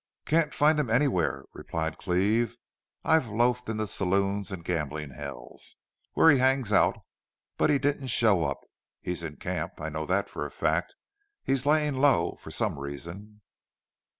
"Can't find him anywhere," replied Cleve. "I've loafed in the saloons and gambling hells where he hangs out. But he didn't show up. He's in camp. I know that for a fact. He's laying low for some reason."